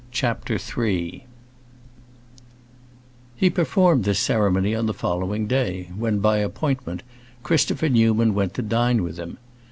CHAPTER III He performed this ceremony on the following day, when, by appointment, Christopher Newman went to dine with him.